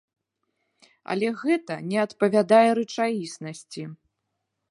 Але гэта не адпавядае рэчаіснасці!